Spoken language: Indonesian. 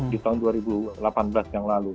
di tahun dua ribu delapan belas yang lalu